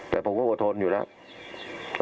แต่ผมก็อดทนอยู่แล้ว